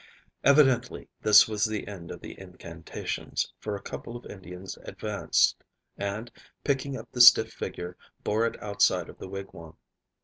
Evidently this was the end of the incantations, for a couple of Indians advanced, and, picking up the stiff figure, bore it outside of the wigwam.